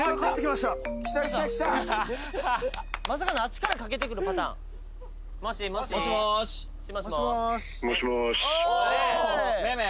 まさかのあっちからかけてくるパターンもしもーしめめ？